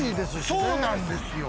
そうなんですよ。